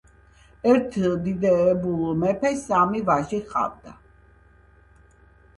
ერთ დიდებული მეფეს სამი ვაჟი ჰყავდა.